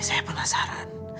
tapi saya penasaran